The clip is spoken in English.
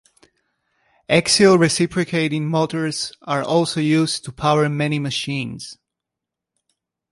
Axial reciprocating motors are also used to power many machines.